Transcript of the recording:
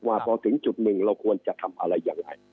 ว่าพอถึงจุดหนึ่งเราควรจะทำอะไรยังไง